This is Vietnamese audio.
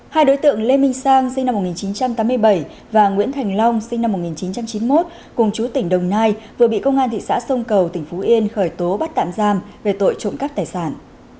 hai đối tượng lê minh sang sinh năm một nghìn chín trăm tám mươi bảy và nguyễn thành long sinh năm một nghìn chín trăm chín mươi một cùng chú tỉnh đồng nai vừa bị công an thị xã sông cầu tỉnh phú yên khởi tố bắt tạm giam về tội trộm cắt tài sản